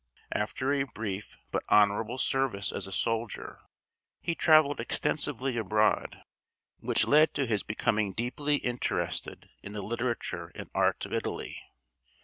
After a brief but honorable service as a soldier he traveled extensively abroad, which led to his becoming deeply interested in the literature and art of Italy.